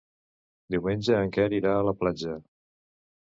Diumenge en Quer irà a la platja.